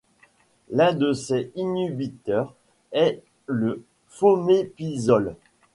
L'un de ces inhibiteurs est le fomépizole.